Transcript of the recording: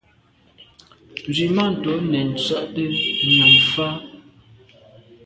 Nzwimàntô nèn ntse’te nyàm fa.